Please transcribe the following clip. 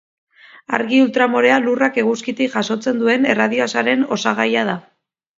Argi ultramorea Lurrak Eguzkitik jasotzen duen erradiazioaren osagaia da.